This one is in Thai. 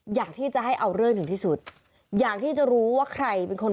อยากที่จะให้เอาเรื่องถึงที่สุดอยากที่จะรู้ว่าใครเป็นคน